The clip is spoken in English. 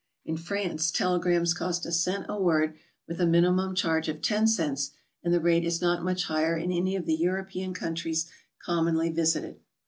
In France telegrams cost a cent a word with a minimum charge of 10 cents, and the rate is not much higher in any of the European countries commonly visited.